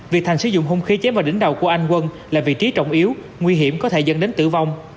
việc thành sử dụng hung khí chém vào đỉnh đầu của anh quân là vị trí trọng yếu nguy hiểm có thể dẫn đến tử vong